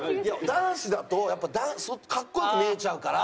男子だとやっぱかっこよく見えちゃうから。